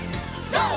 ＧＯ！